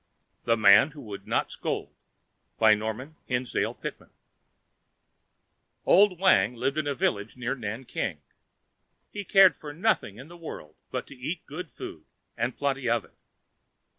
THE MAN WHO WOULD NOT SCOLD Old Wang lived in a village near Nanking. He cared for nothing in the world but to eat good food and plenty of it.